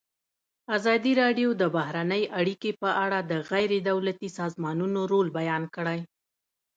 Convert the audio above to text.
ازادي راډیو د بهرنۍ اړیکې په اړه د غیر دولتي سازمانونو رول بیان کړی.